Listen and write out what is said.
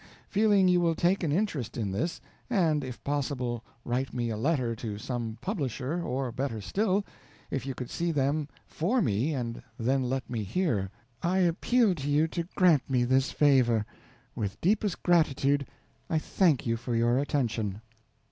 Feeling you will take an interest in this and if possible write me a letter to some publisher, or, better still, if you could see them for me and then let me hear. I appeal to you to grant me this favor. With deepest gratitude I think you for your attention.